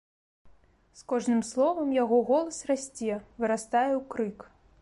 З кожным словам яго голас расце, вырастае ў крык.